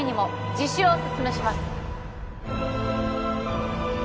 自首をおすすめします